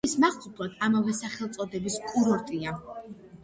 ტბის მახლობლად ამავე სახელწოდების კურორტია.